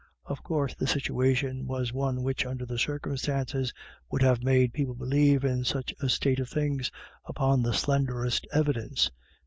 Of course the situation was one which under the circumstances would have made people believe in such a state of things upon the slender est evidence.